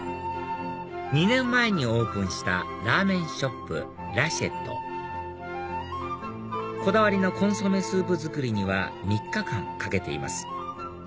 ２年前にオープンしたラーメンショップラシェットこだわりのコンソメスープ作りには３日間かけています